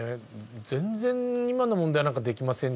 全然今の問題なんかできませんでした。